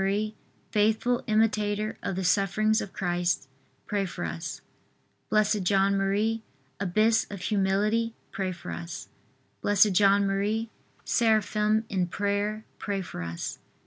faithful imitator of the sufferings of Christ, pray for us. B. J. M., abyss of humility, pray for us. B. J. M., seraphim in prayer, pray for us.